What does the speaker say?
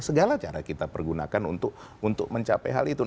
segala cara kita pergunakan untuk mencapai hal itu